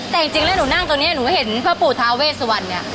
แต่จริงแล้วหนูนั่งตรงนี้หนูเห็นพระผู้ท้าเวสวัน